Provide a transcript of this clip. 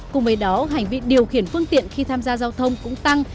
cùng với đó hành vi điều khiển phương tiện khi tham gia giao thông cũng tăng